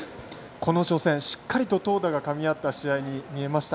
この初戦、しっかり投打がかみ合った試合に見えました。